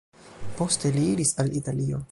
Poste li iris al Italio.